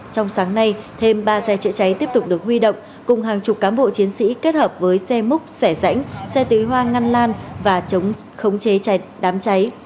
trong sáng nay thêm ba xe chữa cháy tiếp tục được huy động cùng hàng chục cám bộ chiến sĩ kết hợp với xe múc xẻ rãnh xe tưới hoa ngăn lan và chống chế đám cháy